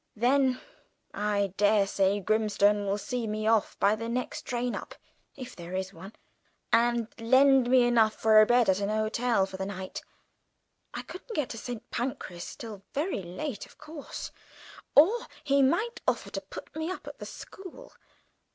Then, I daresay, Grimstone will see me off by the next train up, if there is one, and lend me enough for a bed at an hotel for the night. I couldn't get to St. Pancras till very late, of course. Or he might offer to put me up at the school.